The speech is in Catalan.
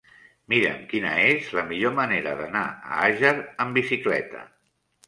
Mira'm quina és la millor manera d'anar a Àger amb bicicleta.